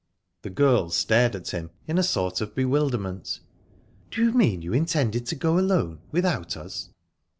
The girl stared at him in a sort of bewilderment. "Do you mean you intended to go alone, without us?"